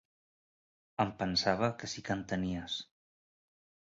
Em pensava que sí que en tenies.